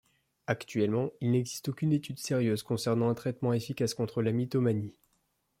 Actuellement, il n'existe aucune étude sérieuse concernant un traitement efficace contre la mythomanie.